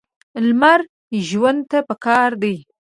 لمر ژوند ته پکار دی.